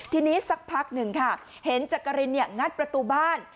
ทีนี้สักพักหนึ่งค่ะเห็นจักรินงัดประตูบ้าน